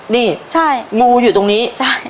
นี่งูอยู่ตรงนี้